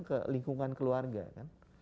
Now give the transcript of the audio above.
ke lingkungan keluarga kan